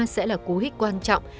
sẽ là cú hích quan trọng